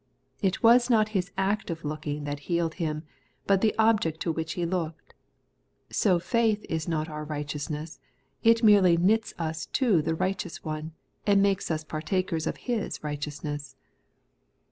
It was not his act of look ing that healed him, but the object to which he looked. So faith is not our righteousness : it merely knits us to the righteous One, and makes us parr takers of His righteousness.